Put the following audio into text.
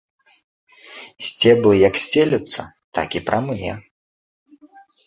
Сцеблы як сцелюцца, так і прамыя.